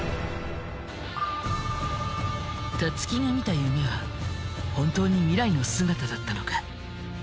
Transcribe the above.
たつきが見た夢は本当に未来の姿だったのか？